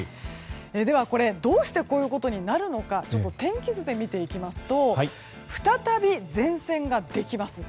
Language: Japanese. では、どうしてこういうことになるのか天気図で見ていきますと再び前線ができます。